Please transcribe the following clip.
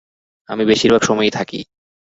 আমি বেশির ভাগ সময়ই থাকি।